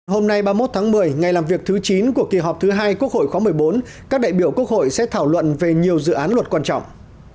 hôm nay ba mươi một tháng một mươi ngày làm việc thứ chín của kỳ họp thứ hai quốc hội khóa một mươi bốn các đại biểu quốc hội sẽ thảo luận về nhiều dự án luật quan trọng